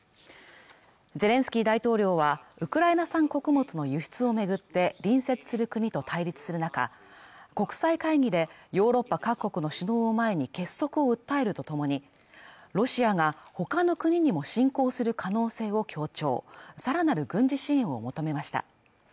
ゼレンスキー大統領はウクライナ産穀物の輸出を巡って隣接する国と対立する中国際会議でヨーロッパ各国の首脳を前に結束を訴えると共にロシアがほかの国にも侵攻する可能性を強調さらなる軍事支援を求めました